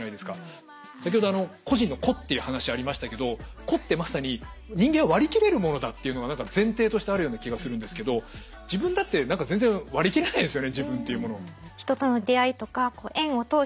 先ほど個人の個っていう話ありましたけど個ってまさに人間を割り切れるものだっていうのが何か前提としてあるような気がするんですけどっていう感じですよね。